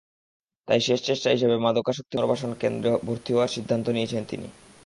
তাই শেষ চেষ্টা হিসেবে মাদকাসক্তি পুনর্বাসনকেন্দ্রে ভর্তি হওয়ার সিদ্ধান্ত নিয়েছেন তিনি।